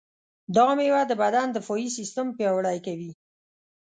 دا مېوه د بدن دفاعي سیستم پیاوړی کوي.